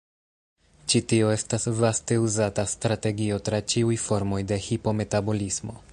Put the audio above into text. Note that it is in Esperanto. Ĉi tio estas vaste uzata strategio tra ĉiuj formoj de hipometabolismo.